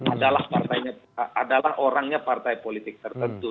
adalah partainya adalah orangnya partai politik tertentu